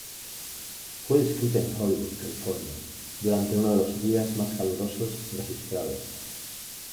Fue escrita en Hollywood, California, durante uno de los días más calurosos registrados.